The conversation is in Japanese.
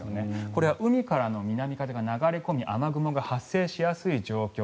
これは海からの南風が流れ込み雨雲が発生しやすい状況。